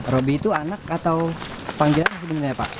robby itu anak atau panggilan sebenarnya pak